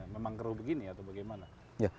memang keruh begini atau bagaimana